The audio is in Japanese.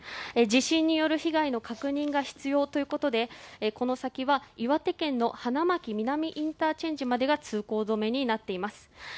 地震による被害の確認が必要ということでこの先は岩手県の花巻南ＩＣまでが通行止めになっています。